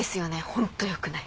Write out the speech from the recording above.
ホント良くない。